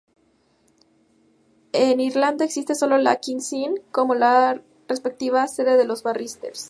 En Irlanda existe sólo la "King's Inn" como la respectiva sede de los "barrister".